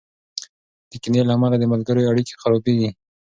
د کینې له امله د ملګرو اړیکې خرابېږي.